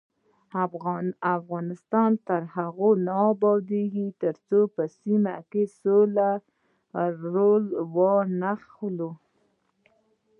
افغانستان تر هغو نه ابادیږي، ترڅو په سیمه کې د سولې رول وانخلو.